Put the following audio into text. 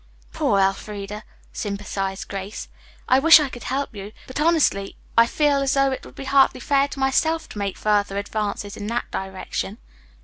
"Poor Elfreda," sympathized Grace. "I wish I could help you, but, honestly, I feel as though it would be hardly fair to myself to make further advances in that direction."